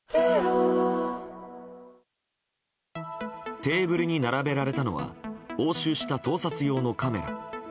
テーブルに並べられたのは押収した盗撮用のカメラ。